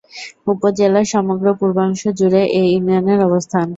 উপজেলার সমগ্র পূর্বাংশ জুড়ে এ ইউনিয়নের অবস্থান।